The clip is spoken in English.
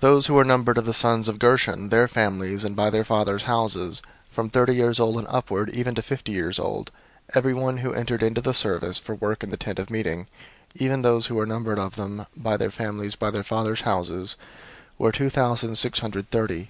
004:038 Those who were numbered of the sons of Gershon, their families, and by their fathers' houses, 004:039 from thirty years old and upward even to fifty years old, everyone who entered into the service, for work in the Tent of Meeting, 004:040 even those who were numbered of them, by their families, by their fathers' houses, were two thousand six hundred thirty.